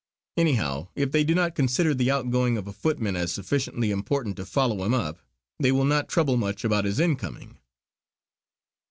Anyhow, if they do not consider the outgoing of a footman as sufficiently important to follow him up they will not trouble much about his incoming."